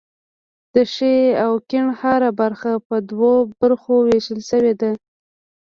د ښي او کیڼ هره برخه په دوو برخو ویشل شوې ده.